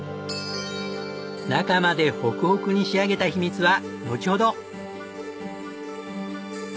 中までホクホクに仕上げた秘密はのちほど！